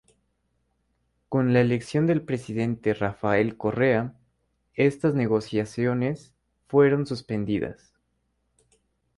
Con la elección del Presidente Rafael Correa, estas negociaciones fueron suspendidas.